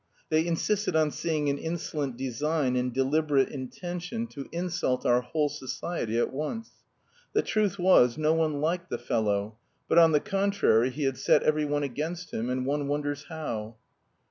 They insisted on seeing an insolent design and deliberate intention to insult our whole society at once. The truth was no one liked the fellow, but, on the contrary, he had set every one against him and one wonders how.